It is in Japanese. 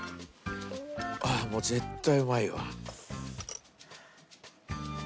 ああもう絶対うまいわ。